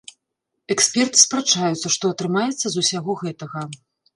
Эксперты спрачаюцца, што атрымаецца з усяго гэтага.